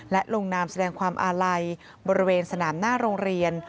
และลงนามแสดงความอาลัยบริเวณสนามหน้าโรงเรียน